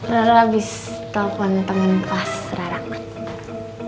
rara abis telfon temen pas rara